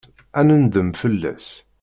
Ad nendem fell-as.